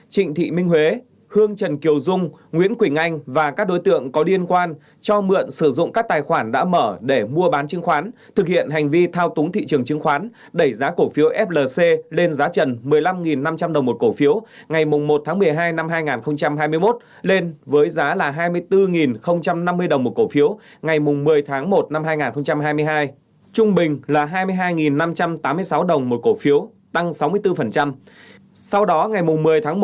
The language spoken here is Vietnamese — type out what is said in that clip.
trịnh thị minh huế hương trần kiều dung nguyễn quỳnh anh và các đối tượng có liên quan cho mượn sử dụng các tài khoản đã mở để mua bán chứng khoán thực hiện hành vi thao túng thị trường chứng khoán đẩy giá cổ phiếu flc lên giá trần một mươi năm năm trăm linh đồng một cổ phiếu ngày một tháng một mươi hai năm hai nghìn hai mươi một lên với giá là hai mươi bốn năm mươi đồng một cổ phiếu ngày một mươi tháng một năm hai nghìn hai mươi hai trung bình là hai mươi hai năm trăm tám mươi sáu đồng một cổ phiếu tăng sáu mươi bốn